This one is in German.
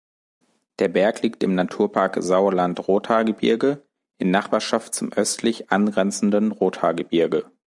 Der Berg liegt im Naturpark Sauerland-Rothaargebirge in Nachbarschaft zum östlich angrenzenden Rothaargebirge.